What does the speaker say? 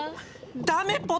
ダメポタ！